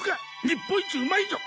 日本一うまいぞ！